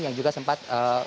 yang juga sempat